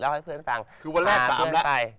เล่าให้เพื่อนฟัง